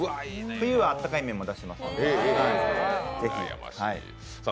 冬はあったかい麺も出しますのでぜひ。